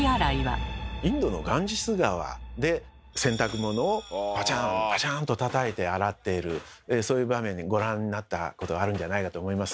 インドのガンジス川で洗濯物をバチャンバチャンとたたいて洗っているそういう場面ご覧になったことがあるんじゃないかと思います。